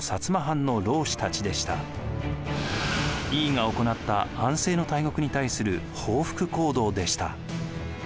井伊が行った安政の大獄に対する報復行動でした。